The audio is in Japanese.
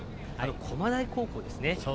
駒大高校ですね。